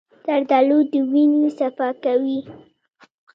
زردالو د وینې صفا کوي.